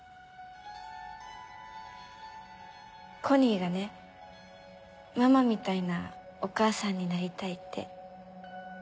コニーがねママみたいなお母さんになりたいって。